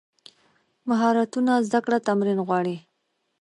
مهارتونه زده کړه تمرین غواړي.